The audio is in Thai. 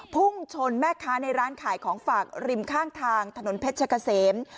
พุ่งชนแม่ค้าในร้านขายของฝากริมข้างทางถนนเพชรกะเสม